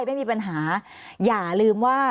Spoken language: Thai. ไม่มีปัญหาอย่าลืมว่า